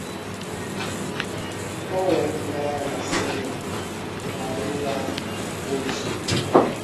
That gave him an interest in sailing and thus navigation too.